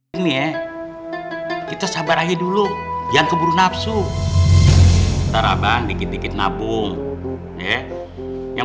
ini ya kita sabar aja dulu jangan keburu nafsu taraban dikit dikit nabung ya yang